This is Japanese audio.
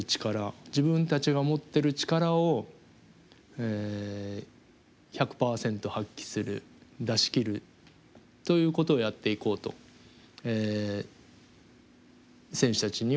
自分たちが持ってる力を１００％発揮する出しきるということをやっていこうと選手たちには働きかけています。